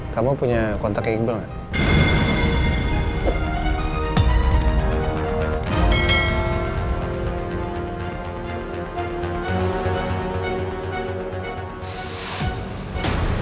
kamu punya kontak kabel gak